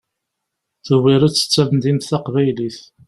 Tubiret d tamdint taqbaylit.